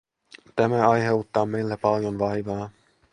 Tämä aiheuttaa meille paljon vaivaa.